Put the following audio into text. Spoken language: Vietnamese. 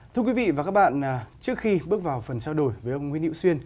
thưa quý vị và các bạn trước khi bước vào phần trao đổi với ông nguyễn hữu xuyên